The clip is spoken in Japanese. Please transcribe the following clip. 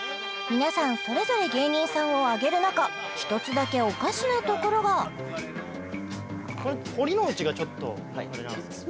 皆さんそれぞれ芸人さんを挙げる中１つだけおかしなところが堀之内がちょっとあれなんです